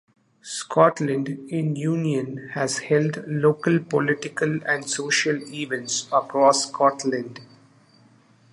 Scotland in Union has held local political and social events across Scotland.